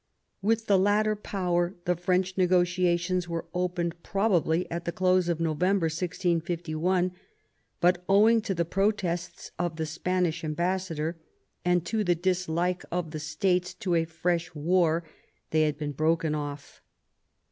With the latter power the French negotiations were opened probably at the close of November 1651; but owing to the protests of the Spanish ambassador, and to the dislike of the States to a fresh war, they had been broken off.